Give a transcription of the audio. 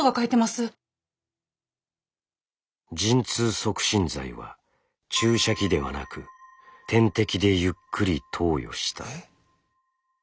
「陣痛促進剤は注射器ではなく点滴でゆっくり投与した。